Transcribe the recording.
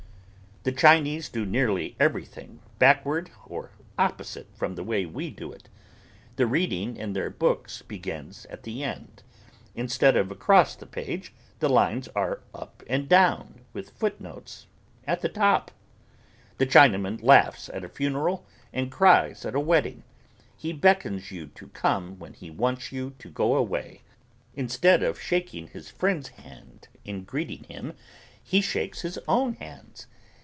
The Chinese do nearly everything backward or opposite from the way we do it. The reading in their books begins at the end. Instead of across the page the lines are up and down with footnotes at the top. The Chinaman laughs at a funeral and cries at a wedding. He beckons you to come when he wants you to go away. Instead of shaking his friend's hand in greeting him he shakes his own hands.